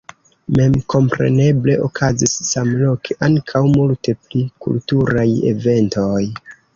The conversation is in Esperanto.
Memkompreneble okazis samloke ankaŭ multe pli kulturaj eventoj.